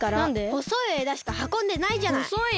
ほそいえだしかはこんでないじゃない！